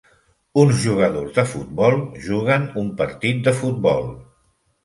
Uns jugadors de futbol juguen un partit de futbol.